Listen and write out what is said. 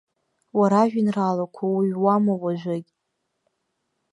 Уара ажәеинраалақәа уҩуама уажәыгь?!